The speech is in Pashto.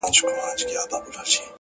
خو دننه درد ژوندی وي تل-